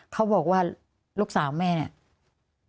เขาบอกว่าลูกสาวแม่เนี่ย